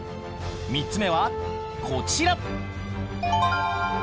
３つ目はこちら！